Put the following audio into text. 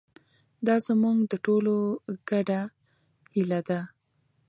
دا زموږ د ټولو ګډه هیله ده.